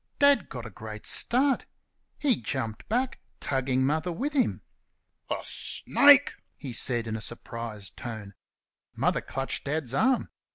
Dad got a great start. He jumped back, tugging Mother with him. "A snake!" he said in a surprised tone. Mother clutched Dad's arm.